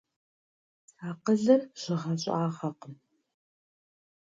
Акъылыр жьыгъэ-щӀагъэкъым.